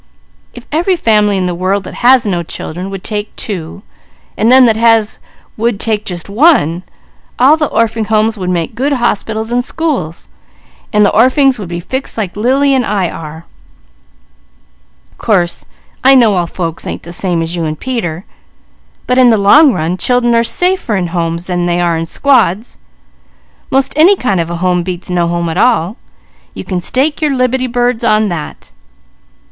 If every family in the world that has no children would take two, and them that has would take just one, all the Orphings' Homes would make good hospitals and schools; while the orphings would be fixed like Lily and I are. Course I know all folks ain't the same as you and Peter; but in the long run, children are safer in homes than they are in squads. 'Most any kind of a home beats no home at all. You can stake your liberty birds on that."